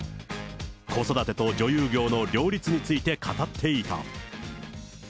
子育てと女優業の両立について語っていた。